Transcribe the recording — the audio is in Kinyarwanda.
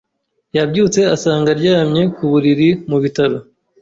Yabyutse asanga aryamye ku buriri mu bitaro.